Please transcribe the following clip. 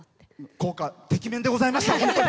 効果てきめんでございました、本当に。